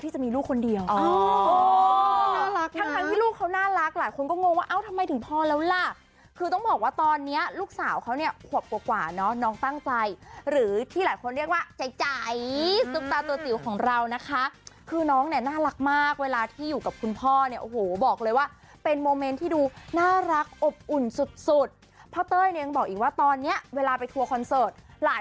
ถามถึงพ่อเต้ยหรือถามถึงคุณแม่แล้วนะ